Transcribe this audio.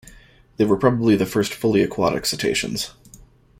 They were probably the first fully aquatic cetaceans.